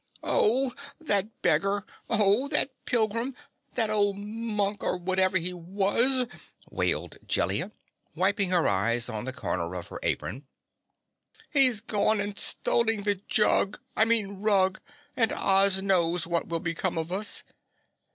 "Oh, that beggar! Oh, that pilgrim! That old Monk, or whatever he was!" wailed Jellia, wiping her eyes on the corner of her apron. "He's gone and stolen the jug, I mean Rug, and Oz knows what will become of us!"